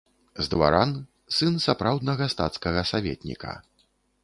З дваран, сын сапраўднага стацкага саветніка.